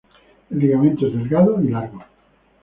El ligamento es delgado y largo.